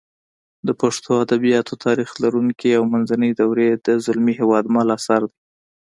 د پښتو ادبیاتو تاریخ لرغونې او منځنۍ دورې د زلمي هېوادمل اثر دی